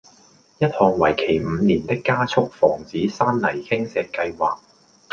一項為期五年的加速防止山泥傾瀉計劃